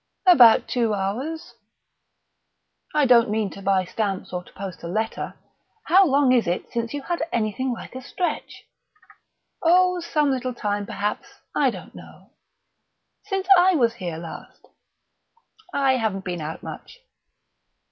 "About two hours." "I don't mean to buy stamps or to post a letter. How long is it since you had anything like a stretch?" "Oh, some little time perhaps. I don't know." "Since I was here last?" "I haven't been out much."